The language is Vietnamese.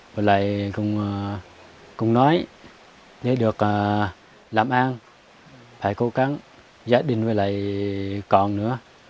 và lại cũng nói nếu được làm an phải cố gắng gia đình với lại con nữa